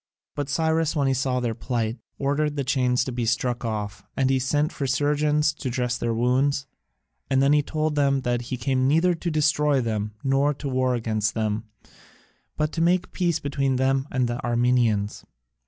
But Cyrus when he saw their plight ordered the chains to be struck off, and sent for surgeons to dress their wounds, and then he told them that he came neither to destroy them nor to war against them, but to make peace between them and the Armenians.